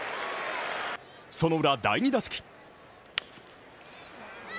そのウラ、第２打席。